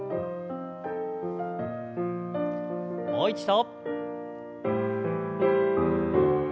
もう一度。